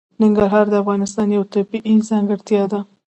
ننګرهار د افغانستان یوه طبیعي ځانګړتیا ده.